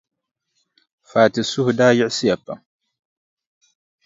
Fati suhu daa yiɣisiya pam.